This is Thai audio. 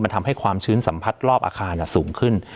ทำให้ความชื้นสัมผัสรอบอาคารสูงขึ้น